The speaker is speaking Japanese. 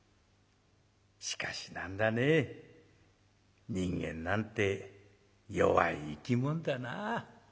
しかし何だね人間なんて弱い生き物だなあ。